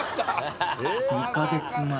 ２カ月前？